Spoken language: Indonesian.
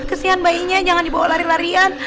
kesihan bayinya jangan dibawa lari larian